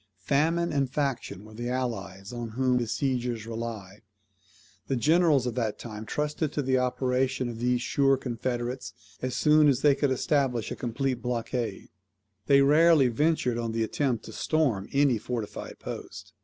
Famine and faction were the allies on whom besiegers relied. The generals of that time trusted to the operation of these sure confederates as soon as they could establish a complete blockade. They rarely ventured on the attempt to storm any fortified post.